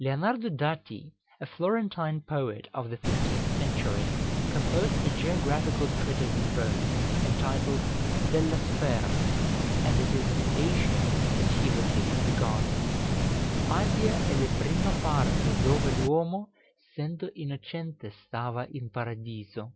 Leonardo Dati, a Florentine poet of the fifteenth century, composed a geographical treatise in verse, entitled "Della Sfera;" and it is in Asia that he locates the garden: "Asia e le prima parte dove l'huomo Sendo innocente stava in Paradiso."